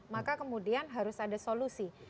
maka kemudian harus ada solusi